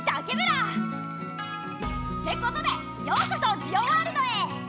てことでようこそジオワールドへ！